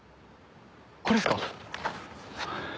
これっすか。